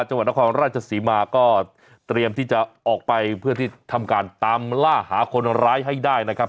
จังหวัดนครราชศรีมาก็เตรียมที่จะออกไปเพื่อที่ทำการตามล่าหาคนร้ายให้ได้นะครับ